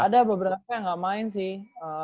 ada beberapa yang gak main sih